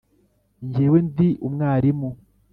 njyewe ndi umwarimu.